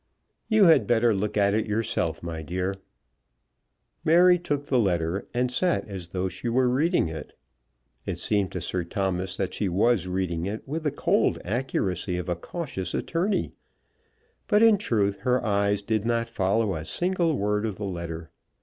"You had better look at it yourself, my dear." Mary took the letter, and sat as though she were reading it. It seemed to Sir Thomas that she was reading it with the cold accuracy of a cautious attorney; but in truth her eyes did not follow a single word of the letter.